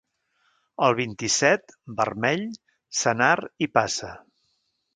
El vint-i-set, vermell, senar i passa.